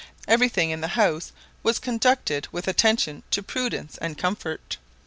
Every thing in the house was conducted with attention to prudence and comfort.